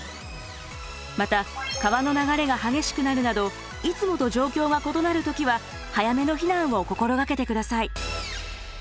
また川の流れが激しくなるなどいつもと状況が異なる時は早めの避難を心がけて下さい。